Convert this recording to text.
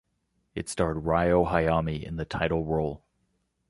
It starred Ryo Hayami in the title role.